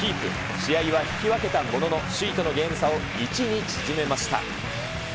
試合は引き分けたものの、首位とのゲーム差を１に縮めました。